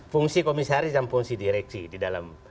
fungsi komisaris dan fungsi direksi di dalam